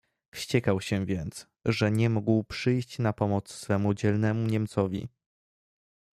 "Wściekał się więc, że nie mógł przyjść na pomoc swemu dzielnemu niemcowi."